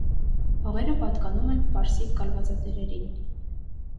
Հողերը պատկանում են պարսիկ կալվածատերերին։